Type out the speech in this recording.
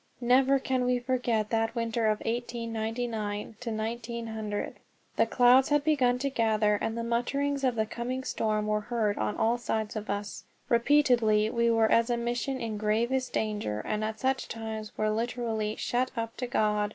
Never can we forget that winter of 1899 1900. The clouds had begun to gather, and the mutterings of the coming storm were heard on all sides of us. Repeatedly we were as a mission in gravest danger, and at such times were literally "shut up to God."